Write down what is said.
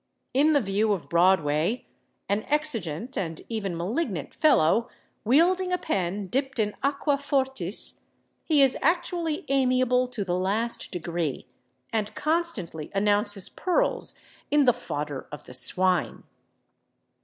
In the view of Broadway, an exigent and even malignant fellow, wielding a pen dipped in aqua fortis, he is actually amiable to the last degree, and constantly announces pearls in the fodder of the swine.